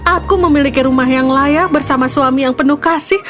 aku memiliki rumah yang layak bersama suami yang penuh kasih